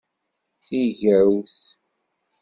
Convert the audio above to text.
Tigawt!